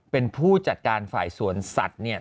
เป็นผู้จัดการฝ่ายสวนสัตว์เนี่ย